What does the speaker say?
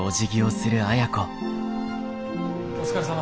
お疲れさま。